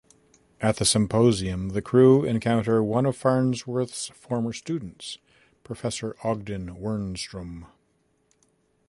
At the symposium, the crew encounter one of Farnsworth's former students, Professor Ogden Wernstrom.